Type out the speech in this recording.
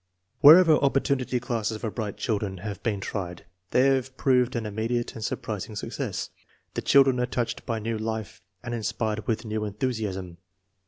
Wherever " opportunity classes " for bright children have been tried they have proved an immediate and surprising success. The children are touched by new life and inspired with new enthusiasm.